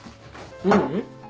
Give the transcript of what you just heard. ううん。